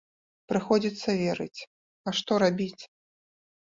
Прыходзіцца верыць, а што рабіць?